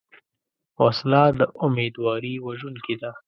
وسله د امیدواري وژونکې ده